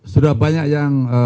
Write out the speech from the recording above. sudah banyak yang